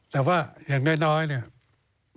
แต่ว่าอย่างน้อยเนี่ย